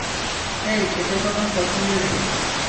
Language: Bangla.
হেই এটা তো আমার পছন্দের গেম!